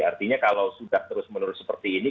artinya kalau sudah terus menerus seperti ini